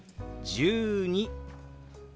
１２。